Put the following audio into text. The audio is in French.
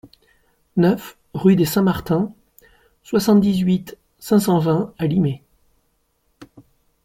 neuf rue des Saints Martin, soixante-dix-huit, cinq cent vingt à Limay